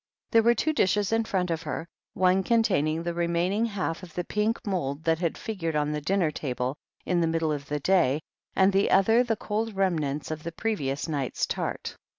There were two dishes in front of her, one containing the remaining half of the pink mould that had figured on the dinner table in the middle of the day, and the other the cold remnants of the previous night's tart.